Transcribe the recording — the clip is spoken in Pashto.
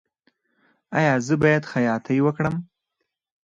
ایا زه باید خیاطۍ وکړم؟